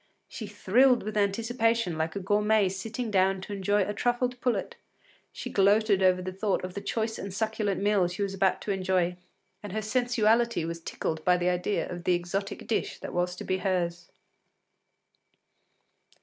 She thrilled with anticipation like a gourmet sitting down to enjoy a truffled pullet; she gloated over the thought of the choice and succulent meal she was about to enjoy, and her sensuality was tickled by the idea of the exotic dish that was to be hers.